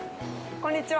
こんにちは！